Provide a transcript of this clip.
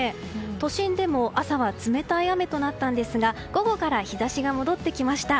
都心でも朝は冷たい雨となったんですが午後から日差しが戻ってきました。